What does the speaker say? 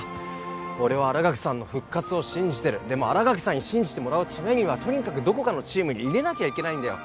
俺は新垣さんの復活を信じてるでも新垣さんに信じてもらうためにはとにかくどこかのチームに入れなきゃいけないんだよ